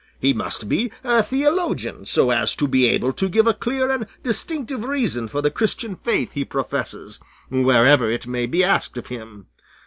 He must be a theologian, so as to be able to give a clear and distinctive reason for the Christian faith he professes, wherever it may be asked of him.